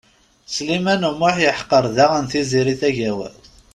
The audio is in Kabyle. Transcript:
Sliman U Muḥ yeḥqer daɣen Tiziri Tagawawt.